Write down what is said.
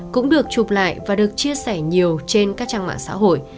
cũng được chụp lại và được chia sẻ nhiều trên các trang mạng xã hội